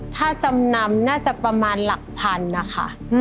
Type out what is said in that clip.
ถ้าจำนำน่าจะประมาณหลักพันนะคะ